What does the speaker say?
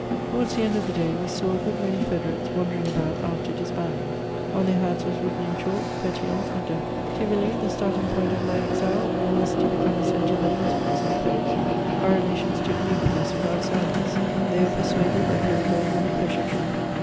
Towards the end of the day we saw a good many federates wandering about after disbanding; on their hats was written in chalk, "Pétion or death!" Tivoli, the starting point of my exile, was to become a centre of amusements and fêtes. Our relations took leave of us without sadness; they were persuaded that we were going on a pleasure trip.